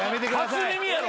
初耳やろ！